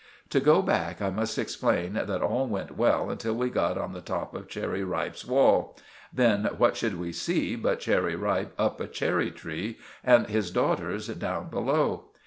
To go back, I must explain that all went well until we got on the top of Cherry Ripe's wall. Then what should we see but Cherry Ripe up a cherry tree and his daughters down below!